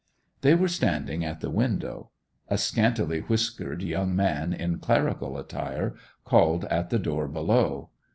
They were standing at the window. A scantly whiskered young man, in clerical attire, called at the door below.